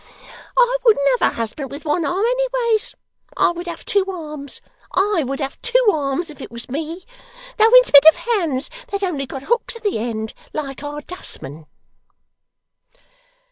I wouldn't have a husband with one arm, anyways. I would have two arms. I would have two arms, if it was me, though instead of hands they'd only got hooks at the end, like our dustman!